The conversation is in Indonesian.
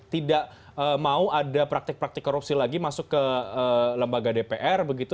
tidak mau ada praktik praktik korupsi lagi masuk ke lembaga dpr begitu